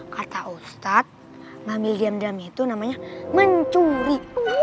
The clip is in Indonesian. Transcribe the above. kata ustadz ngamil diam diam itu namanya mencuri